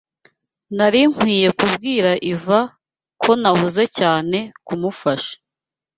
Nari nkwiye kubwira Ivan ko nahuze cyane kumufasha.